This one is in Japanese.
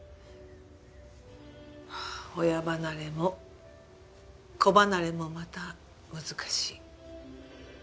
親離れも子離れもまた難しい。